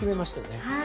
はい。